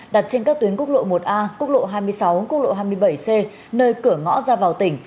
đặt trên các tuyến quốc lộ một a quốc lộ hai mươi sáu quốc lộ hai mươi bảy c nơi cửa ngõ ra vào tỉnh